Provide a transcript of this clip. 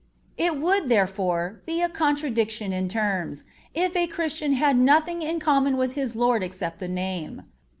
It would, therefore, be a contradiction in terms, if a Christian had nothing in common with his Lord except the name.